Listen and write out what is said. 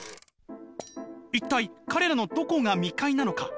「一体彼らのどこが未開なのか？